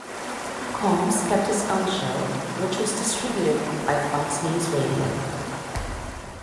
Colmes kept his own show, which was distributed by Fox News Radio.